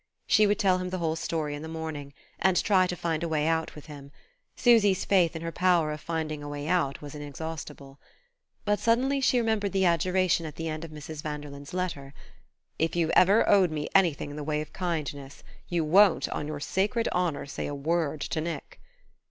She would tell him the whole story in the morning, and try to find a way out with him: Susy's faith in her power of finding a way out was inexhaustible. But suddenly she remembered the adjuration at the end of Mrs. Vanderlyn's letter: "If you're ever owed me anything in the way of kindness, you won't, on your sacred honour, say a word to Nick...."